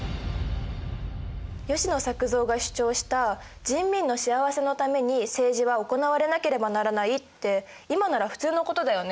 吉野作造が主張した「人民の幸せのために政治は行われなければならない」って今なら普通のことだよね。